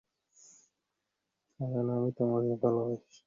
কারণ আমি তোমাকে ভালোবাসি।